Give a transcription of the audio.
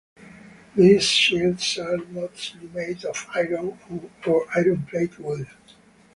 These shields were mostly made of iron or iron-plated wood.